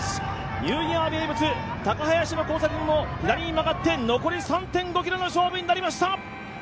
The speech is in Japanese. ニューイヤー名物、高林の交差点を左に曲がって残り３．５ｋｍの勝負になりました。